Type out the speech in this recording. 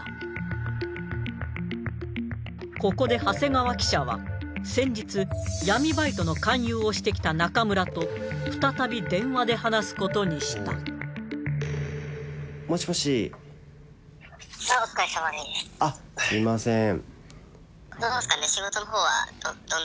ここで長谷川記者は先日闇バイトの勧誘をしてきた中村と再び電話で話すことにしたあっすいません